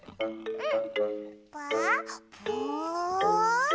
うん？